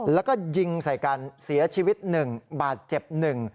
แล้วก็ยิงใส่กันเสียชีวิตหนึ่งบาดเจ็บหนึ่ง